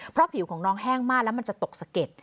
เพราะผิวของน้องแห้งมากแล้วมันจะตกสะเก็ด